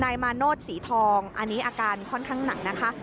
มาโนธสีทองอันนี้อาการค่อนข้างหนักนะคะ